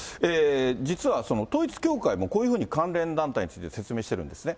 実は統一教会も、こういうふうに関連団体について説明しているんですね。